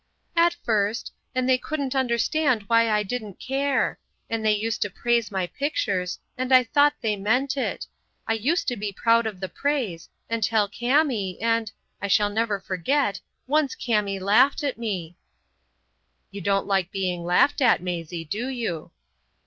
"At first; and they couldn't understand why I didn't care. And they used to praise my pictures; and I thought they meant it. I used to be proud of the praise, and tell Kami, and—I shall never forget—once Kami laughed at me." "You don't like being laughed at, Maisie, do you?"